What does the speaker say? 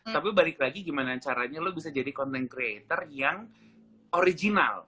tapi balik lagi gimana caranya lo bisa jadi content creator yang original